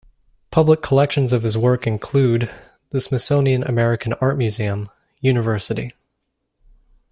Public collections of his work include: The Smithsonian American Art Museum, Univ.